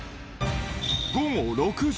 午後６時。